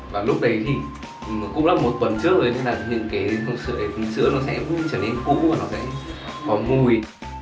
và lúc đấy thì cũng là một tuần trước rồi nên là những cái hụt sữa đấy hụt sữa nó sẽ trở nên cũ và nó sẽ có mùi